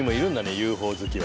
ＵＦＯ好きは。